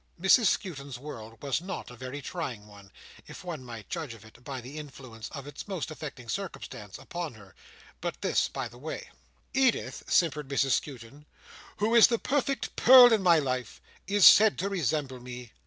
Mrs Skewton's world was not a very trying one, if one might judge of it by the influence of its most affecting circumstance upon her; but this by the way. "Edith," simpered Mrs Skewton, "who is the perfect pearl of my life, is said to resemble me.